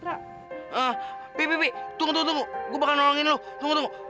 ra pi pi tunggu tunggu tunggu gue bakal nolongin lu tunggu tunggu